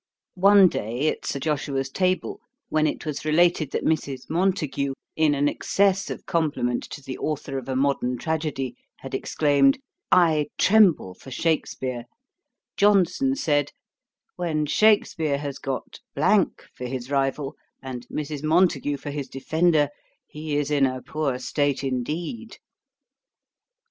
One day at Sir Joshua's table, when it was related that Mrs. Montagu, in an excess of compliment to the authour of a modern tragedy, had exclaimed, 'I tremble for Shakspeare;' Johnson said, 'When Shakspeare has got for his rival, and Mrs. Montagu for his defender, he is in a poor state indeed.'